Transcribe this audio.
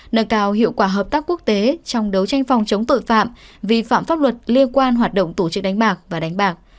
nâng cao hiệu quả hợp tác quốc tế trong đấu tranh phòng chống tội phạm vi phạm pháp luật liên quan hoạt động tổ chức đánh bạc và đánh bạc